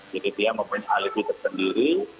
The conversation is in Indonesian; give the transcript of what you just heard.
jadi dia memiliki alih itu sendiri